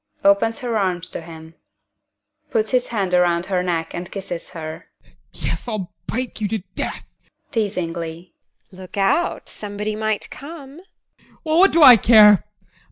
[Opens her arms to him.] ADOLPH. [Puts his hands around her neck and kisses her] Yes, I'll bite you to death! TEKLA. [Teasingly] Look out somebody might come! ADOLPH. Well, what do I care!